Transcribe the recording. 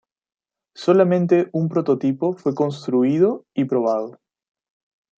Solamente un prototipo fue construido y probado.